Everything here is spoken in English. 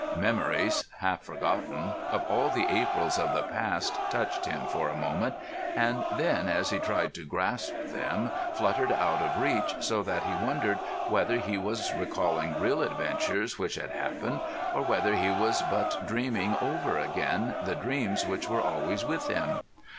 Memories, half forgotten, of all the Aprils of the past touched him for a moment, and then, as he tried to grasp them, fluttered out of reach, so that he wondered whether he was recalling real adventures which had happened, or whether he was but dreaming over again the dreams which were always with him.